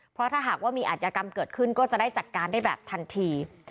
เพราะถ้าหากว่ามีอัธยกรรมเกิดขึ้นก็จะได้จัดการได้แบบทันที